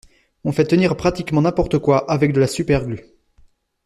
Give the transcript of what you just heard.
On fait tenir pratiquement n’importe quoi avec de la super glu.